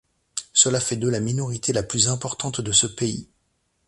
Cela fait d'eux la minorité la plus importante de ce pays.